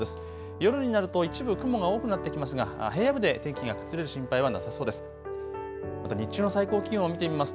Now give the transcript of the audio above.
夜になると一部雲が多くなってきますが平野部で天気が崩れる心配はなさそうです。